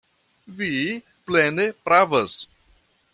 Vi plene pravas.